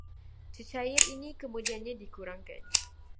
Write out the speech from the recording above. Cecair ini kemudiannya dikurangkan